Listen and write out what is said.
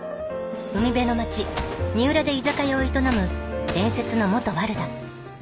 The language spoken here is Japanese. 海辺の町二浦で居酒屋を営む伝説の元ワルだ。